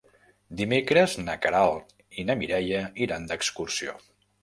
Dimecres na Queralt i na Mireia iran d'excursió.